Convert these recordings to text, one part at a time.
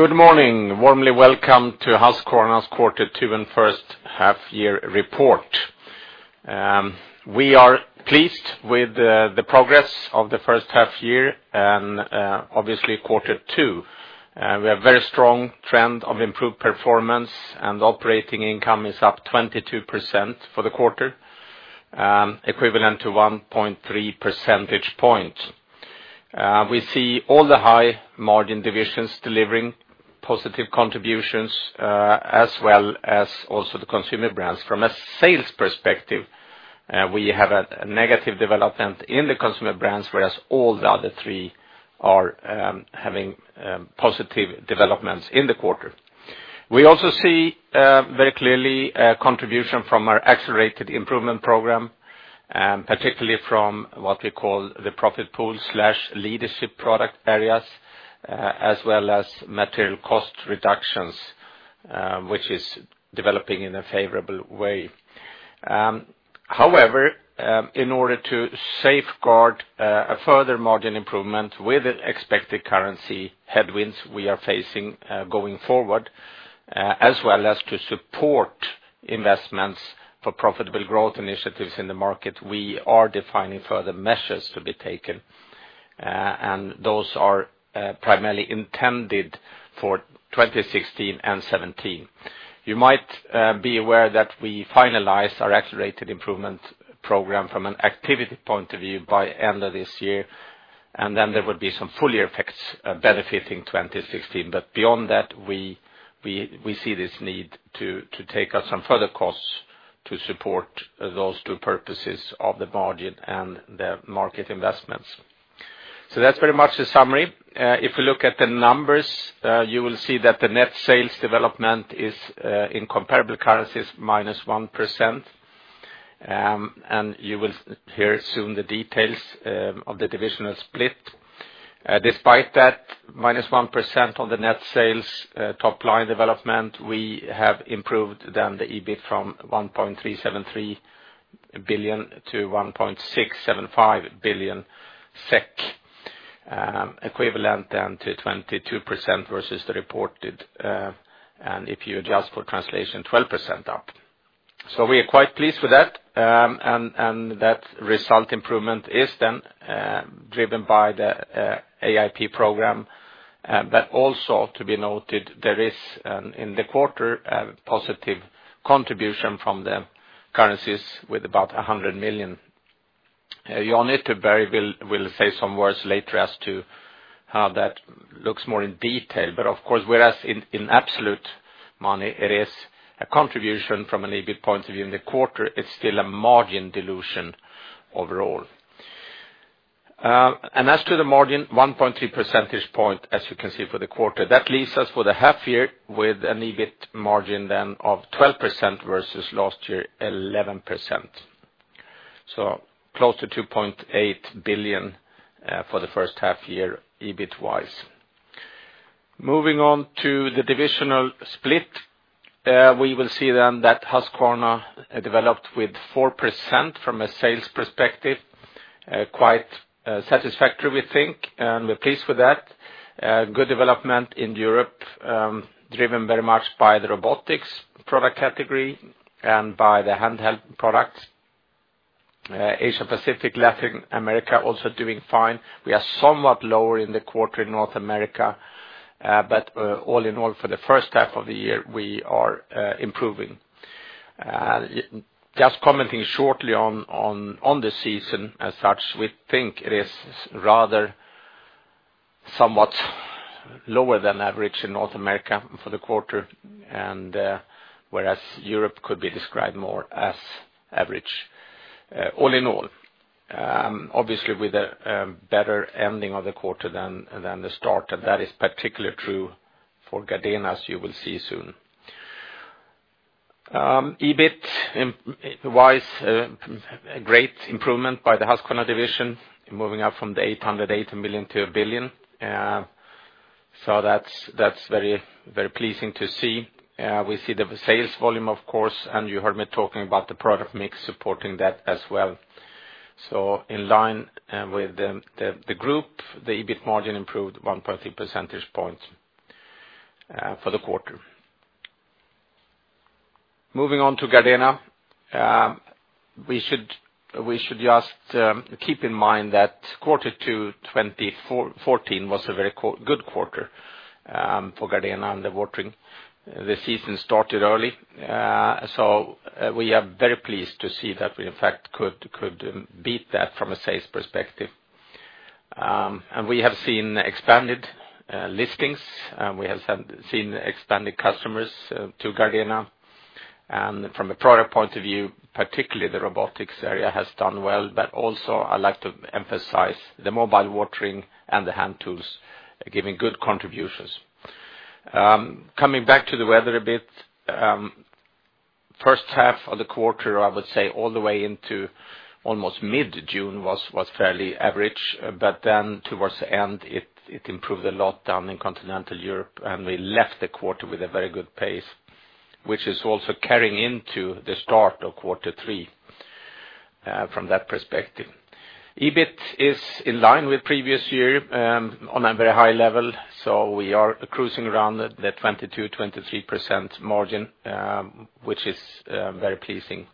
Good morning. Warmly welcome to Husqvarna's Quarter Two and First Half Year Report. We are pleased with the progress of the first half year and obviously Quarter Two. We have very strong trend of improved performance and operating income is up 22% for the quarter, equivalent to 1.3 percentage points. We see all the high margin divisions delivering positive contributions, as well as also the Consumer Brands. From a sales perspective, we have a negative development in the Consumer Brands, whereas all the other three are having positive developments in the quarter. We also see very clearly a contribution from our Accelerated Improvement Program, particularly from what we call the profit pool/leadership product areas, as well as material cost reductions, which is developing in a favorable way. In order to safeguard a further margin improvement with expected currency headwinds we are facing going forward, as well as to support investments for profitable growth initiatives in the market, we are defining further measures to be taken. Those are primarily intended for 2016 and 2017. You might be aware that we finalized our Accelerated Improvement Program from an an activity point of view by end of this year, then there will be some full year effects benefiting 2016. Beyond that, we see this need to take out some further costs to support those two purposes of the margin and the market investments. That's pretty much the summary. If you look at the numbers, you will see that the net sales development is in comparable currencies, -1%. You will hear soon the details of the divisional split. Despite that -1% on the net sales top line development, we have improved then the EBIT from 1.373 billion to 1.675 billion SEK, equivalent then to 22% versus the reported. If you adjust for translation, 12% up. We are quite pleased with that, and that result improvement is then driven by the AIP program. Also to be noted, there is, in the quarter, a positive contribution from the currencies with about 100 million. Jan will say some words later as to how that looks more in detail. Of course, whereas in absolute money, it is a contribution from an EBIT point of view in the quarter, it's still a margin dilution overall. As to the margin, 1.3 percentage points, as you can see for the quarter. That leaves us for the half year with an EBIT margin then of 12% versus last year, 11%. Close to 2.8 billion for the first half year, EBIT-wise. Moving on to the divisional split. We will see then that Husqvarna developed with 4% from a sales perspective. Quite satisfactory, we think, and we're pleased with that. Good development in Europe, driven very much by the robotics product category and by the handheld products. Asia Pacific, Latin America also doing fine. We are somewhat lower in the quarter in North America. All in all, for the first half of the year, we are improving. Just commenting shortly on the season as such, we think it is rather somewhat lower than average in North America for the quarter, whereas Europe could be described more as average all in all. Obviously with a better ending of the quarter than the start, and that is particularly true for Gardena, as you will see soon. EBIT-wise, a great improvement by the Husqvarna division, moving up from 808 million to 1 billion. That's very pleasing to see. We see the sales volume of course, and you heard me talking about the product mix supporting that as well. In line with the group, the EBIT margin improved 1.3 percentage points for the quarter. Moving on to Gardena. We should just keep in mind that Quarter 2 2014 was a very good quarter for Gardena under Watering. The season started early, we are very pleased to see that we in fact could beat that from a sales perspective. We have seen expanded listings. We have seen expanded customers to Gardena. From a product point of view, particularly the robotics area has done well, but also I'd like to emphasize the Mobile Watering and the hand tools giving good contributions. Coming back to the weather a bit. First half of the quarter, I would say all the way into almost mid-June was fairly average. Towards the end, it improved a lot down in continental Europe, and we left the quarter with a very good pace, which is also carrying into the start of quarter three from that perspective. EBIT is in line with previous year on a very high level. We are cruising around the 22%-23% margin, which is very pleasing.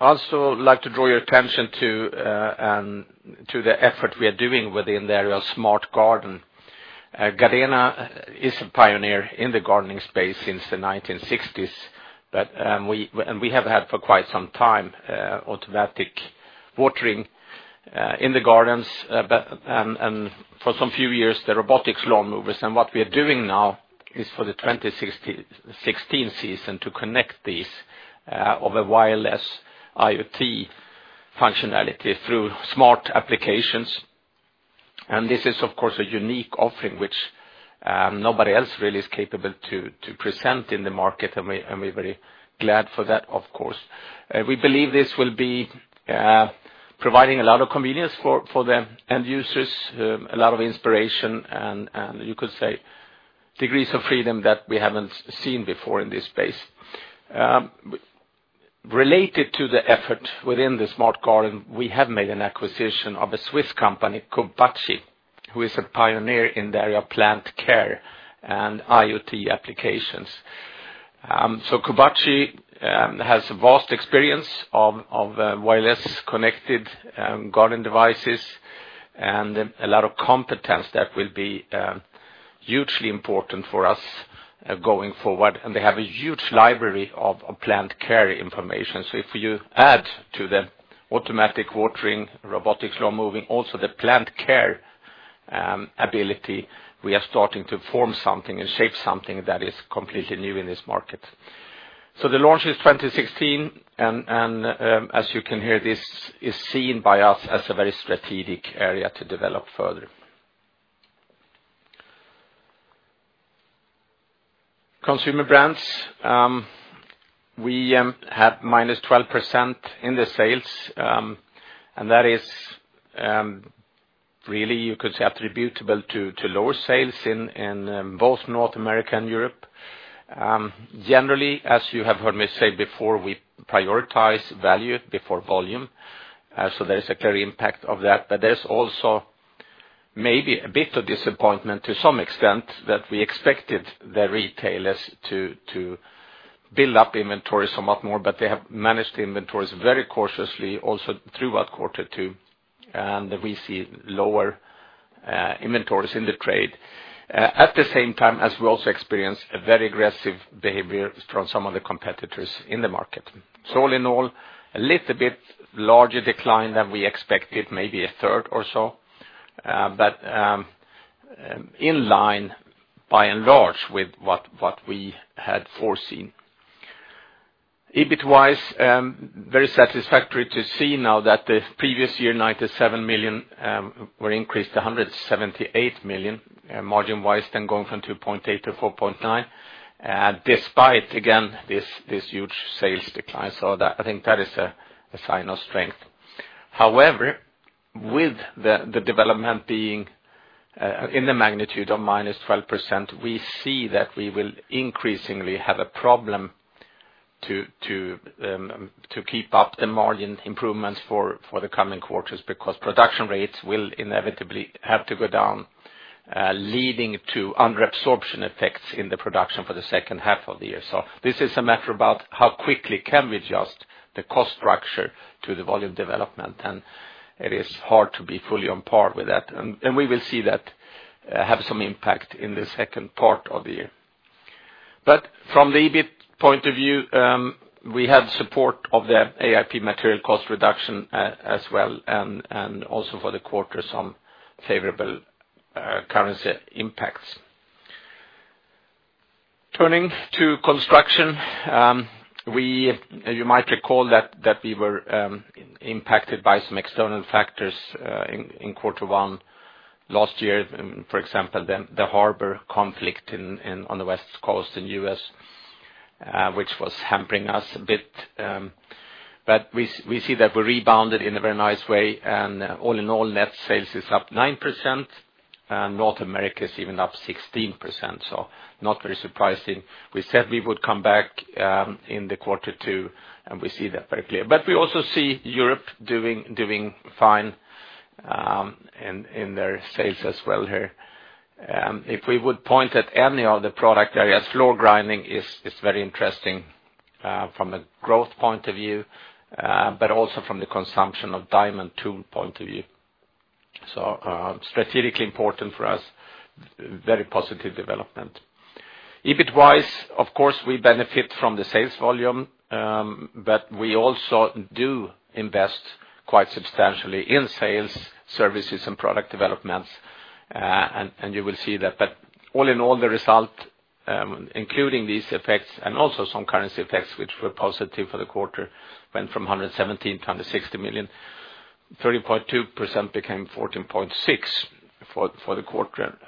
Also, I'd like to draw your attention to the effort we are doing within the area of smart garden. Gardena is a pioneer in the gardening space since the 1960s, and we have had for quite some time automatic watering in the gardens, and for some few years, the robotic mowers. What we are doing now is for the 2016 season to connect these over wireless IoT functionality through smart applications. This is, of course, a unique offering which nobody else really is capable to present in the market, and we're very glad for that, of course. We believe this will be providing a lot of convenience for the end users, a lot of inspiration, and you could say degrees of freedom that we haven't seen before in this space. Related to the effort within the smart garden, we have made an acquisition of a Swiss company, Koubachi, who is a pioneer in the area of plant care and IoT applications. Koubachi has vast experience of wireless connected garden devices and a lot of competence that will be hugely important for us going forward. They have a huge library of plant care information. If you add to the automatic watering, robotic mowers, also the plant care ability, we are starting to form something and shape something that is completely new in this market. The launch is 2016, and as you can hear, this is seen by us as a very strategic area to develop further. Consumer Brands, we had -12% in the sales, and that is really you could say attributable to lower sales in both North America and Europe. Generally, as you have heard me say before, we prioritize value before volume. There is a clear impact of that, but there's also maybe a bit of disappointment to some extent that we expected the retailers to build up inventory somewhat more, but they have managed the inventories very cautiously also throughout quarter two, and we see lower inventories in the trade. At the same time as we also experience a very aggressive behavior from some of the competitors in the market. All in all, a little bit larger decline than we expected, maybe a third or so, but in line by and large with what we had foreseen. EBIT wise, very satisfactory to see now that the previous year 97 million were increased to 178 million, margin wise then going from 2.8% to 4.9%, despite again, this huge sales decline. I think that is a sign of strength. However, with the development being in the magnitude of minus 12%, we see that we will increasingly have a problem to keep up the margin improvements for the coming quarters because production rates will inevitably have to go down, leading to under absorption effects in the production for the second half of the year. This is a matter about how quickly can we adjust the cost structure to the volume development, and it is hard to be fully on par with that. We will see that have some impact in the second part of the year. From the AIP point of view, we have support of the AIP material cost reduction as well, and also for the quarter, some favorable currency impacts. Turning to Construction, you might recall that we were impacted by some external factors in quarter one last year, for example, the harbor conflict on the West Coast in U.S., which was hampering us a bit. We see that we rebounded in a very nice way, and all in all, net sales is up 9%, and North America is even up 16%. Not very surprising. We said we would come back in the quarter two, and we see that very clear. We also see Europe doing fine in their sales as well here. If we would point at any of the product areas, floor grinding is very interesting from a growth point of view, but also from the consumption of diamond tools point of view. Strategically important for us, very positive development. EBIT wise, of course, we benefit from the sales volume, but we also do invest quite substantially in sales, services, and product developments, and you will see that. All in all, the result including these effects and also some currency effects, which were positive for the quarter, went from 117 million to 160 million. 13.2% became 14.6% for the quarter.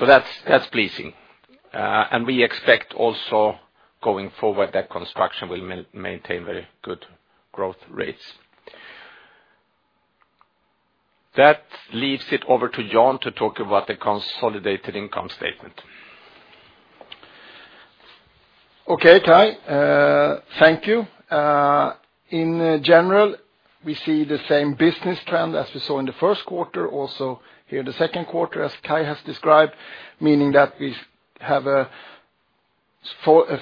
That's pleasing. We expect also going forward that Construction will maintain very good growth rates. That leaves it over to Jan to talk about the consolidated income statement. Okay, Kai. Thank you. In general, we see the same business trend as we saw in the first quarter, also here in the second quarter, as Kai has described, meaning that we have a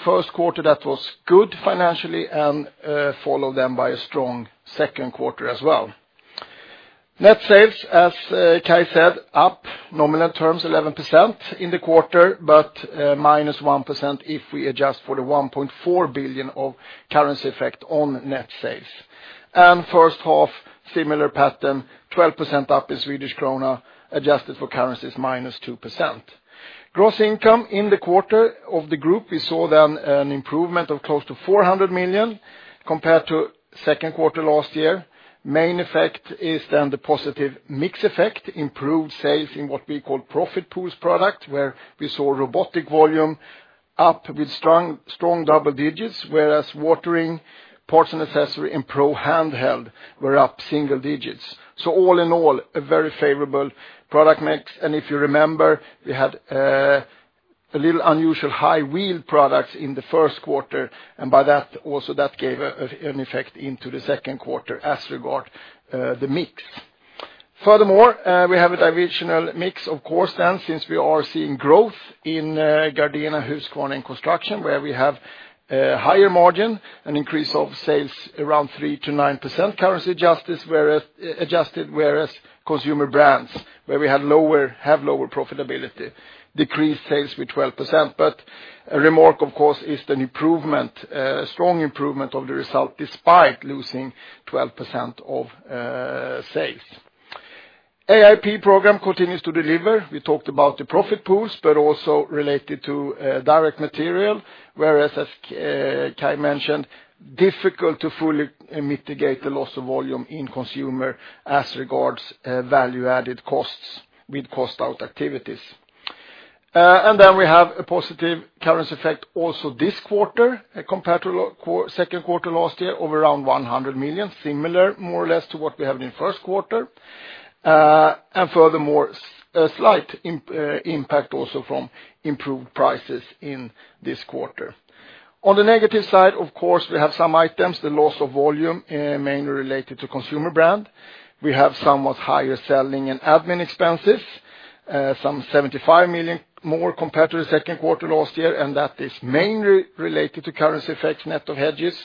first quarter that was good financially and followed by a strong second quarter as well. Net sales, as Kai said, up nominal terms 11% in the quarter, but minus 1% if we adjust for the 1.4 billion of currency effect on net sales. First half, similar pattern, 12% up in Swedish krona, adjusted for currency is minus 2%. Gross income in the quarter of the group, we saw an improvement of close to 400 million compared to second quarter last year. Main effect is the positive mix effect, improved sales in what we call Profit Pools product, where we saw robotic volume up with strong double digits, whereas Watering, parts and accessory, and pro handheld were up single digits. All in all, a very favorable product mix. If you remember, we had a little unusual high wheeled products in the first quarter, and by that, also that gave an effect into the second quarter as regard the mix. Furthermore, we have a divisional mix, of course, since we are seeing growth in Gardena, Husqvarna and Construction, where we have a higher margin, an increase of sales around 3%-9% currency-adjusted, whereas Consumer Brands, where we have lower profitability, decreased sales with 12%. A remark, of course, is the strong improvement of the result despite losing 12% of sales. AIP program continues to deliver. We talked about the Profit Pools, but also related to direct material, whereas, as Kai mentioned, difficult to fully mitigate the loss of volume in consumer as regards value-added costs with cost-out activities. We have a positive currency effect also this quarter compared to second quarter last year of around 100 million, similar more or less to what we have in the first quarter. Furthermore, a slight impact also from improved prices in this quarter. On the negative side, of course, we have some items, the loss of volume mainly related to consumer brand. We have somewhat higher selling and admin expenses, some 75 million more compared to the second quarter last year, and that is mainly related to currency effects net of hedges.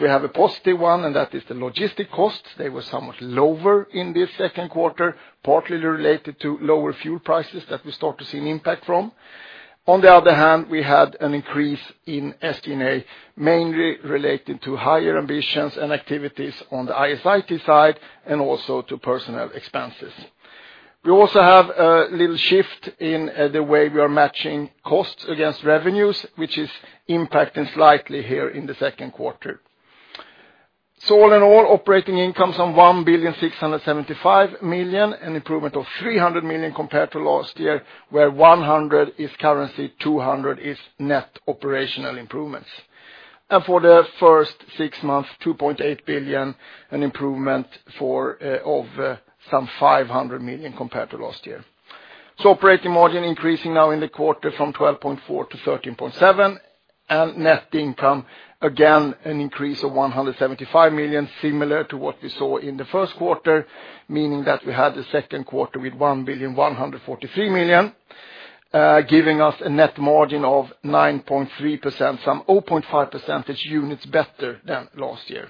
We have a positive one, and that is the logistic costs. They were somewhat lower in this second quarter, partly related to lower fuel prices that we start to see an impact from. On the other hand, we had an increase in SG&A, mainly related to higher ambitions and activities on the IS/IT side and also to personnel expenses. We also have a little shift in the way we are matching costs against revenues, which is impacting slightly here in the second quarter. All in all, operating income of 1,675 million, an improvement of 300 million compared to last year, where 100 is currency, 200 is net operational improvements. For the first six months, 2.8 billion, an improvement of some 500 million compared to last year. Operating margin increasing now in the quarter from 12.4% to 13.7%. Net income, again, an increase of 175 million, similar to what we saw in the first quarter, meaning that we had the second quarter with 1,143 million, giving us a net margin of 9.3%, some 0.5 percentage units better than last year.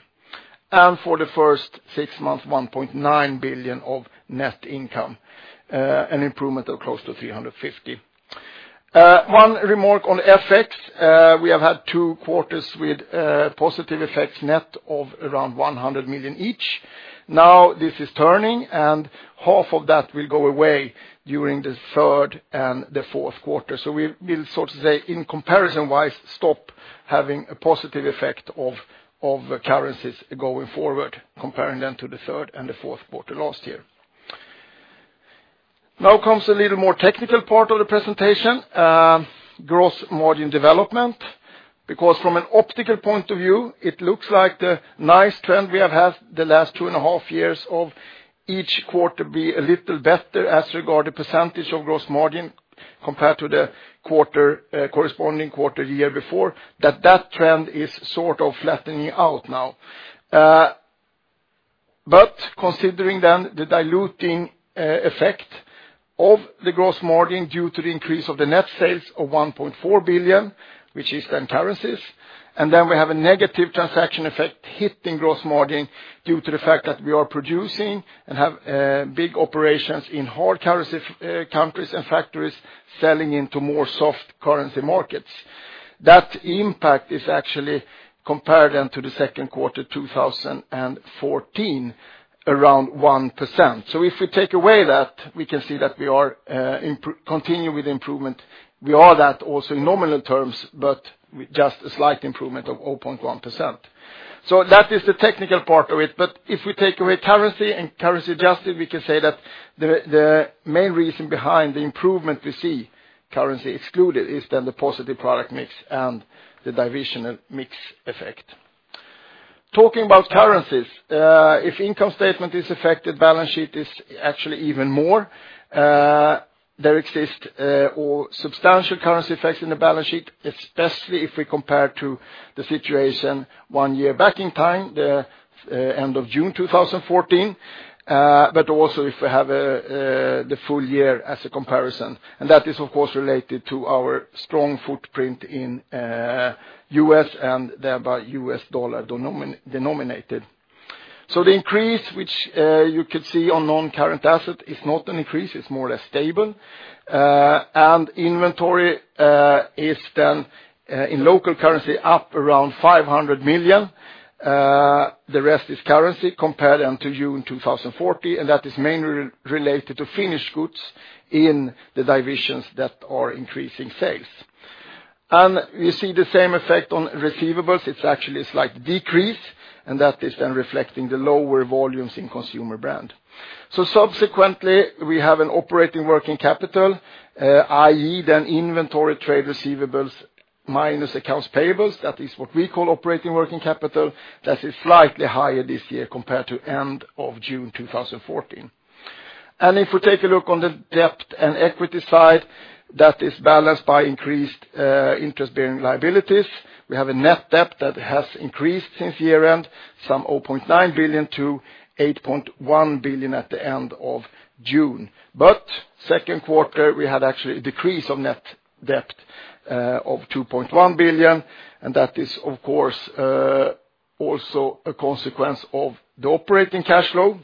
For the first six months, 1.9 billion of net income, an improvement of close to 350 million. One remark on FX. We have had two quarters with positive effects net of around 100 million each. This is turning, and half of that will go away during the third and fourth quarter. We will sort of say, in comparison-wise, stop having a positive effect of currencies going forward, comparing them to the third and fourth quarter last year. Comes a little more technical part of the presentation, gross margin development. From an optical point of view, it looks like the nice trend we have had the last two and a half years of each quarter be a little better as regard the percentage of gross margin compared to the corresponding quarter the year before, that trend is sort of flattening out now. Considering then the diluting effect of the gross margin due to the increase of the net sales of 1.4 billion, which is then currencies, and then we have a negative transaction effect hitting gross margin due to the fact that we are producing and have big operations in hard currency countries and factories selling into more soft currency markets. That impact is actually compared then to the second quarter 2014, around 1%. If we take away that, we can see that we are continuing with the improvement. We are that also in nominal terms, but with just a slight improvement of 0.1%. That is the technical part of it. If we take away currency and currency-adjusted, we can say that the main reason behind the improvement we see currency excluded is then the positive product mix and the divisional mix effect. Talking about currencies, if income statement is affected, balance sheet is actually even more. There exist substantial currency effects in the balance sheet, especially if we compare to the situation one year back in time, the end of June 2014, but also if we have the full year as a comparison. That is, of course, related to our strong footprint in U.S. and thereby U.S. dollar denominated. The increase which you could see on non-current assets is not an increase, it is more or less stable. Inventory is then, in local currency, up around 500 million. The rest is currency compared to June 2014, and that is mainly related to finished goods in the divisions that are increasing sales. We see the same effect on receivables. It is actually a slight decrease, and that is then reflecting the lower volumes in Consumer Brands. Subsequently, we have an operating working capital, i.e., inventory trade receivables minus accounts payables. That is what we call operating working capital. That is slightly higher this year compared to end of June 2014. If we take a look on the debt and equity side, that is balanced by increased interest-bearing liabilities. We have a net debt that has increased since year-end, some 0.9 billion to 8.1 billion at the end of June. Second quarter, we had actually a decrease of net debt of 2.1 billion, that is, of course, also a consequence of the operating cash flow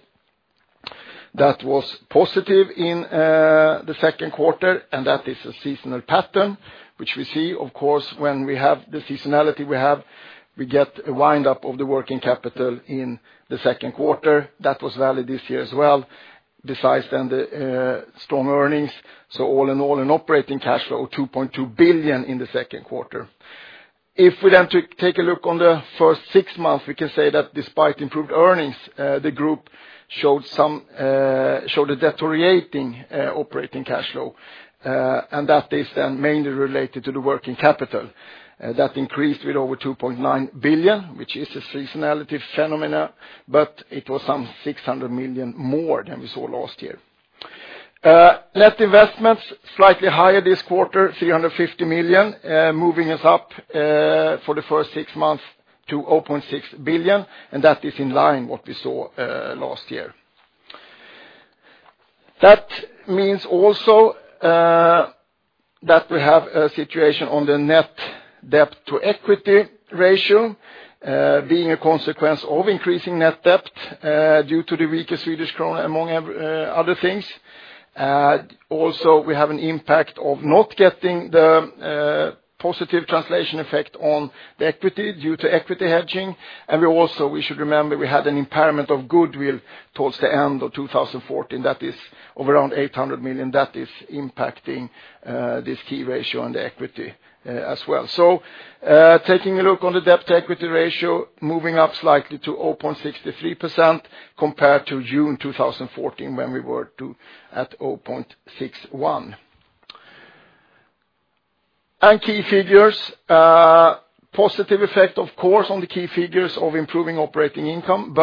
that was positive in the second quarter, that is a seasonal pattern, which we see, of course, when we have the seasonality we have, we get a windup of the working capital in the second quarter. That was valid this year as well, besides the strong earnings. All in all, an operating cash flow of 2.2 billion in the second quarter. If we take a look on the first six months, we can say that despite improved earnings, the group showed a deteriorating operating cash flow. That is mainly related to the working capital that increased with over 2.9 billion, which is a seasonality phenomenon, it was some 600 million more than we saw last year. Net investments, slightly higher this quarter, 350 million, moving us up for the first six months to 0.6 billion, that is in line what we saw last year. That means also that we have a situation on the net debt to equity ratio, being a consequence of increasing net debt due to the weaker Swedish krona, among other things. We have an impact of not getting the positive translation effect on the equity due to equity hedging. We should remember we had an impairment of goodwill towards the end of 2014. That is of around 800 million. That is impacting this key ratio on the equity as well. Taking a look on the debt to equity ratio, moving up slightly to 0.63% compared to June 2014 when we were at 0.61%. Key figures. Positive effect, of course, on the key figures of improving operating income,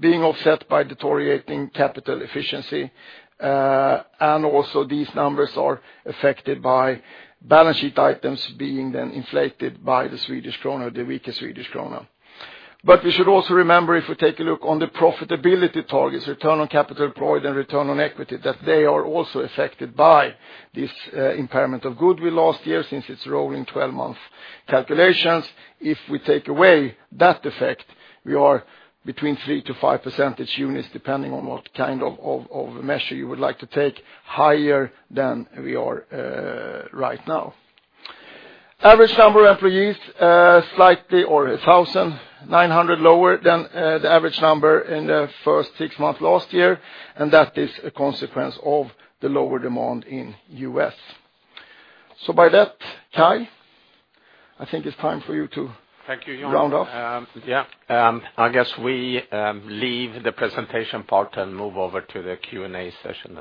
being offset by deteriorating capital efficiency. Also these numbers are affected by balance sheet items being then inflated by the Swedish krona, the weaker Swedish krona. We should also remember, if we take a look on the profitability targets, return on capital employed and return on equity, that they are also affected by this impairment of goodwill last year, since it is rolling 12-month calculations. If we take away that effect, we are between 3 to 5 percentage units, depending on what kind of measure you would like to take, higher than we are right now. Average number of employees, slightly or 1,900 lower than the average number in the first six months last year, that is a consequence of the lower demand in U.S. By that, Kai, I think it is time for you to round off. Thank you, Jan. I guess we leave the presentation part and move over to the Q&A session.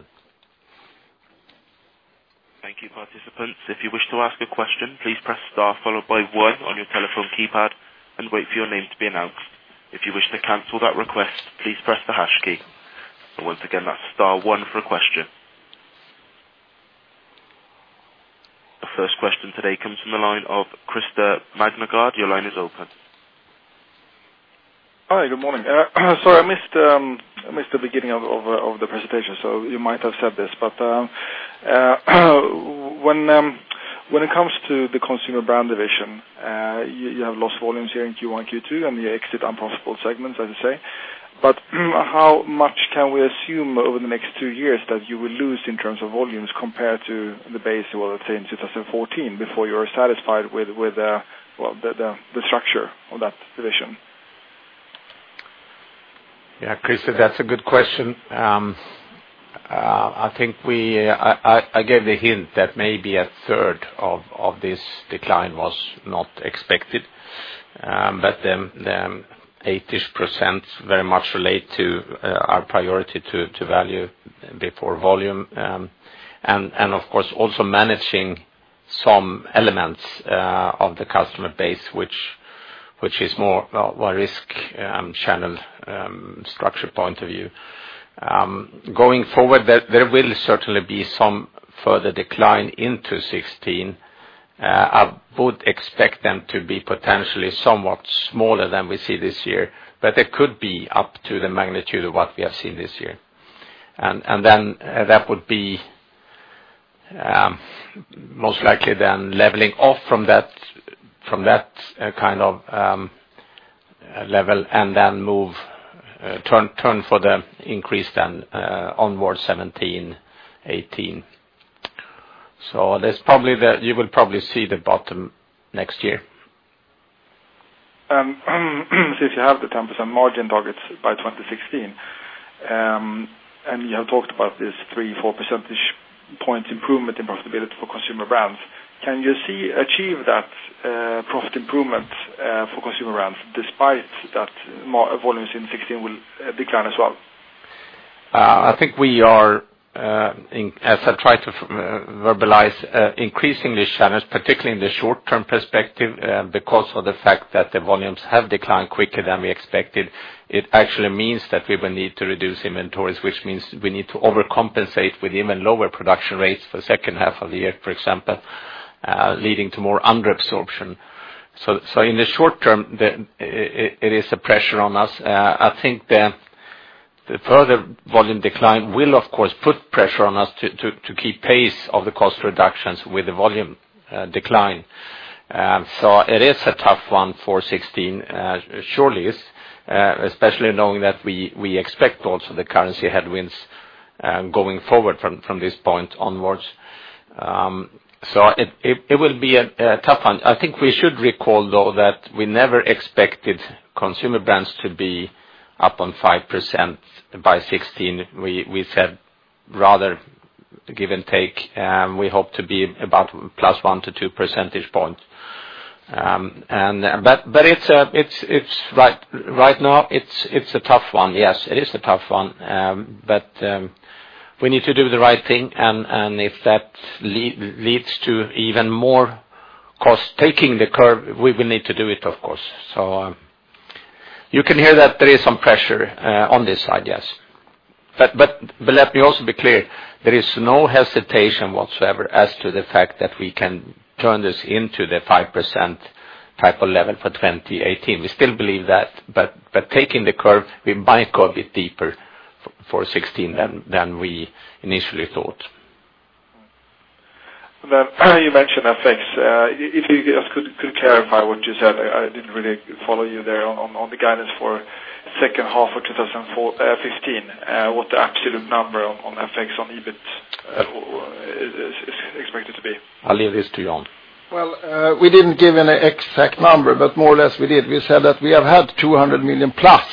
Thank you, participants. If you wish to ask a question, please press star followed by one on your telephone keypad and wait for your name to be announced. If you wish to cancel that request, please press the hash key. Once again, that's star one for a question. The first question today comes from the line of Christer Magnergård. Your line is open. Hi, good morning. Sorry, I missed the beginning of the presentation, you might have said this, but when it comes to the Consumer Brands division, you have lost volumes here in Q1, Q2, and you exit unprofitable segments, as you say. How much can we assume over the next two years that you will lose in terms of volumes compared to the base, let's say, in 2014, before you are satisfied with the structure of that division? Christer, that's a good question. I gave a hint that maybe a third of this decline was not expected, 80% very much relate to our priority to value before volume. Of course, also managing some elements of the customer base, which is more a risk channel structure point of view. Going forward, there will certainly be some further decline into 2016. I would expect them to be potentially somewhat smaller than we see this year, they could be up to the magnitude of what we have seen this year. That would be most likely then leveling off from that kind of level, turn for the increase then onwards 2017, 2018. You will probably see the bottom next year. If you have the 10% margin targets by 2016, you have talked about this three, four percentage points improvement in profitability for Consumer Brands, can you achieve that profit improvement for Consumer Brands despite that volumes in 2016 will decline as well? I think we are, as I've tried to verbalize increasingly challenged, particularly in the short-term perspective, because of the fact that the volumes have declined quicker than we expected. It actually means that we will need to reduce inventories, which means we need to overcompensate with even lower production rates for the second half of the year, for example, leading to more under absorption. In the short term, it is a pressure on us. I think the further volume decline will, of course, put pressure on us to keep pace of the cost reductions with the volume decline. It is a tough one for 2016, surely is, especially knowing that we expect also the currency headwinds going forward from this point onwards. It will be a tough one. I think we should recall, though, that we never expected Consumer Brands to be up on 5% by 2016. We said rather give and take, we hope to be about plus one to two percentage points. Right now it's a tough one. Yes, it is a tough one. We need to do the right thing, and if that leads to even more cost taking the curve, we will need to do it, of course. You can hear that there is some pressure on this side, yes. Let me also be clear, there is no hesitation whatsoever as to the fact that we can turn this into the 5% type of level for 2018. We still believe that, but taking the curve, we might go a bit deeper for 2016 than we initially thought. You mentioned FX. If you could clarify what you said, I didn't really follow you there on the guidance for second half of 2015, what the absolute number on FX on EBIT is expected to be? I'll leave this to Jan. We didn't give an exact number, but more or less we did. We said that we have had 200 million plus,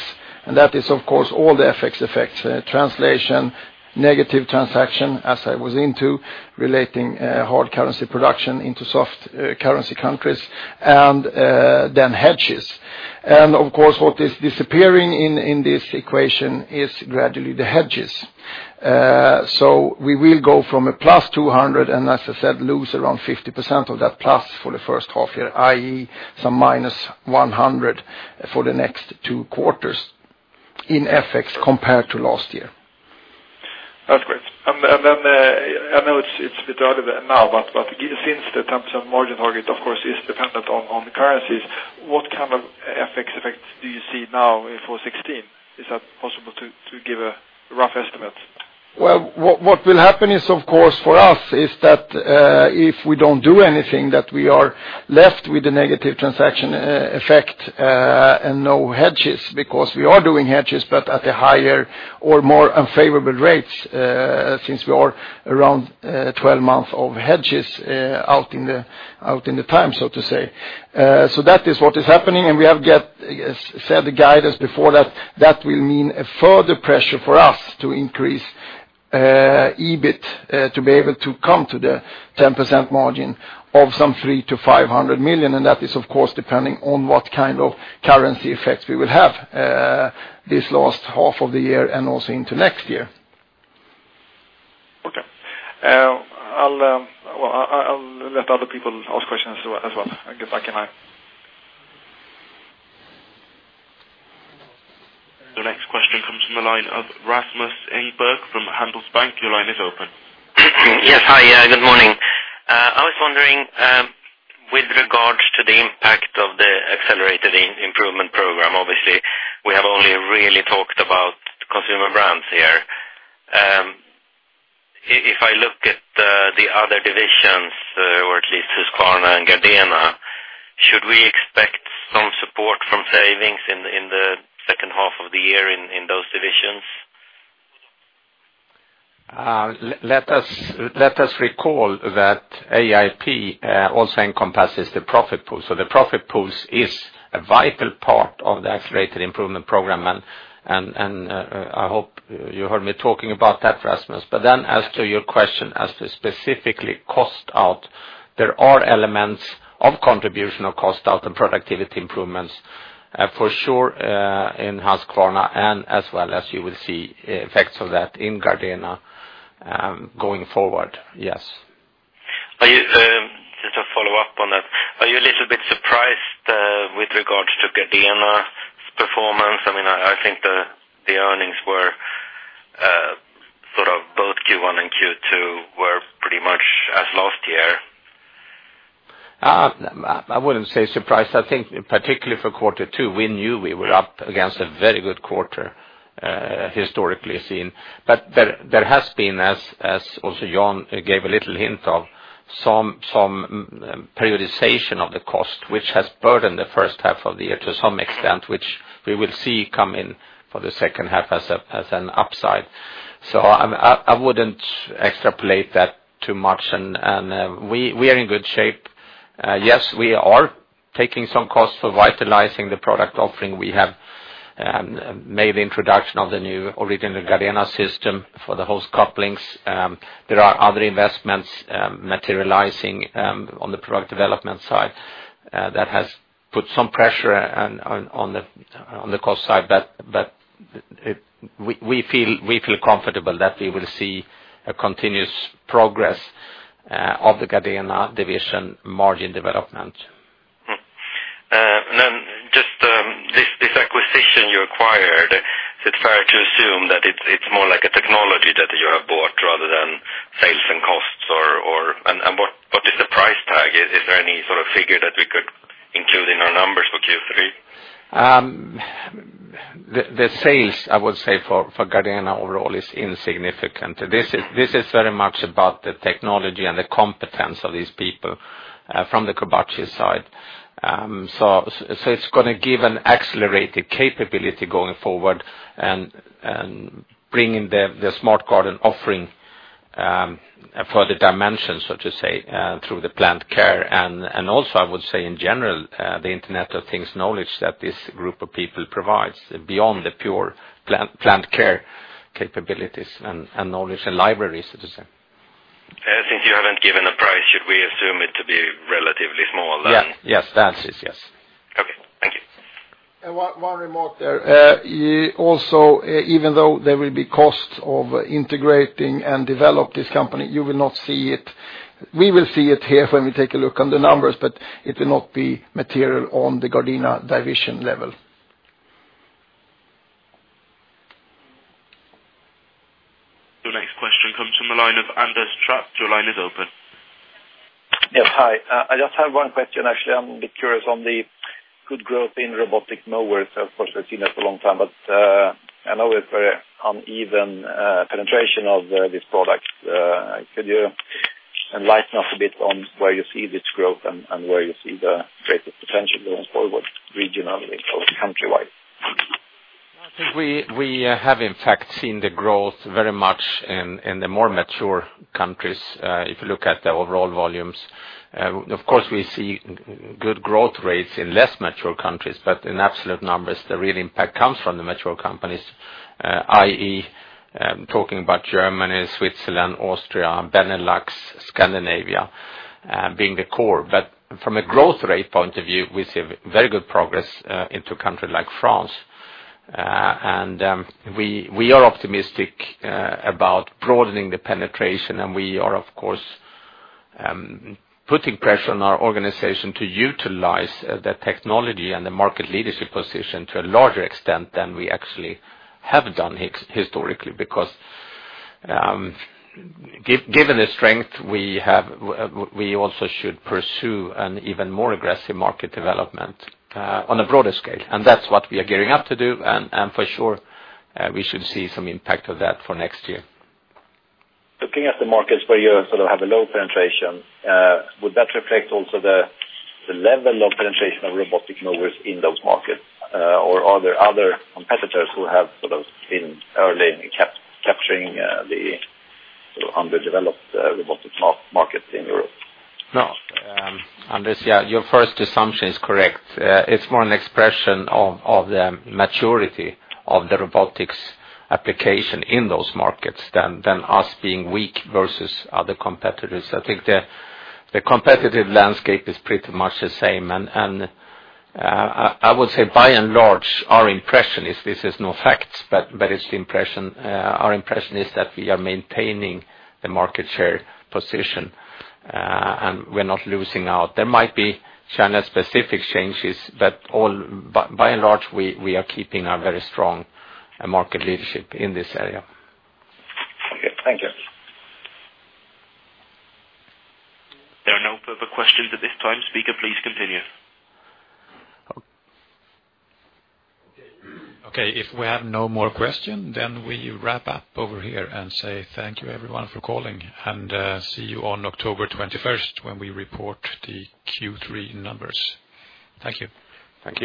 and that is, of course, all the FX effects, translation, negative transaction as I was into relating hard currency production into soft currency countries and then hedges. Of course, what is disappearing in this equation is gradually the hedges. We will go from a plus 200 and, as I said, lose around 50% of that plus for the first half year, i.e., some minus 100 for the next two quarters in FX compared to last year. That's great. I know it's a bit early now, but since the types of margin target, of course, is dependent on the currencies, what kind of FX effects do you see now for 2016? Is that possible to give a rough estimate? What will happen is, of course, for us is that if we don't do anything, that we are left with a negative transaction effect, and no hedges, because we are doing hedges, but at a higher or more unfavorable rates, since we are around 12 months of hedges out in the time, so to say. That is what is happening, and we have said the guidance before that will mean a further pressure for us to increase EBIT to be able to come to the 10% margin of some 300 million-500 million, and that is, of course, depending on what kind of currency effects we will have this last half of the year and also into next year. Okay. I'll let other people ask questions as well. I guess I can hang. The next question comes from the line of Rasmus Engberg from Handelsbanken. Your line is open. Yes. Hi, good morning. I was wondering with regards to the impact of the Accelerated Improvement Program, obviously, we have only really talked about Consumer Brands here. If I look at the other divisions, or at least Husqvarna and Gardena, should we expect some support from savings in the second half of the year in those divisions? Let us recall that AIP also encompasses the profit pool. The profit pool is a vital part of the Accelerated Improvement Program, I hope you heard me talking about that, Rasmus. As to your question as to specifically cost out, there are elements of contribution of cost out and productivity improvements For sure in Husqvarna, and as well as you will see effects of that in Gardena going forward. Yes. Just to follow up on that. Are you a little bit surprised with regards to Gardena's performance? I think the earnings were both Q1 and Q2 were pretty much as last year. I wouldn't say surprised. I think particularly for quarter two, we knew we were up against a very good quarter, historically seen. There has been, as also Jan gave a little hint of, some periodization of the cost, which has burdened the first half of the year to some extent, which we will see come in for the second half as an upside. I wouldn't extrapolate that too much, we are in good shape. Yes, we are taking some costs for vitalizing the product offering. We have made introduction of the new Original GARDENA System for the hose couplings. There are other investments materializing on the product development side that has put some pressure on the cost side. We feel comfortable that we will see a continuous progress of the Gardena division margin development. This acquisition you acquired, is it fair to assume that it's more like a technology that you have bought rather than sales and costs, and what is the price tag? Is there any sort of figure that we could include in our numbers for Q3? The sales, I would say for Gardena overall is insignificant. This is very much about the technology and the competence of these people from the Koubachi side. It's going to give an accelerated capability going forward and bringing the smart garden offering a further dimension, so to say, through the plant care, also I would say in general, the Internet of Things knowledge that this group of people provides beyond the pure plant care capabilities and knowledge and libraries, so to say. Since you haven't given a price, should we assume it to be relatively small then? Yes. That is yes. Okay. Thank you. One remark there. Also, even though there will be costs of integrating and develop this company, you will not see it. We will see it here when we take a look on the numbers, but it will not be material on the Gardena division level. Your next question comes from the line of Anders Trapp. Your line is open. Yes. Hi. I just have one question, actually. I'm a bit curious on the good growth in robotic mowers. Of course, we've seen it for a long time, but I know it's very uneven penetration of this product. Could you enlighten us a bit on where you see this growth and where you see the greatest potential going forward regionally or country-wide? I think we have, in fact, seen the growth very much in the more mature countries, if you look at the overall volumes. Of course, we see good growth rates in less mature countries, but in absolute numbers, the real impact comes from the mature companies. I am talking about Germany, Switzerland, Austria, Benelux, Scandinavia being the core. From a growth rate point of view, we see very good progress into a country like France. We are optimistic about broadening the penetration, and we are, of course, putting pressure on our organization to utilize the technology and the market leadership position to a larger extent than we actually have done historically. Given the strength we have, we also should pursue an even more aggressive market development on a broader scale. That's what we are gearing up to do, and for sure, we should see some impact of that for next year. Looking at the markets where you have a low penetration, would that reflect also the level of penetration of robotic mowers in those markets? Are there other competitors who have been early in capturing the underdeveloped robotic market in Europe? No. Anders, your first assumption is correct. It's more an expression of the maturity of the robotics application in those markets than us being weak versus other competitors. I think the competitive landscape is pretty much the same. I would say by and large, our impression is this is no fact, but it's the impression. Our impression is that we are maintaining the market share position, and we're not losing out. There might be channel-specific changes, but by and large, we are keeping our very strong market leadership in this area. Okay. Thank you. There are no further questions at this time. Speaker, please continue. Okay. If we have no more question, we wrap up over here and say thank you everyone for calling, see you on October 21st when we report the Q3 numbers. Thank you. Thank you.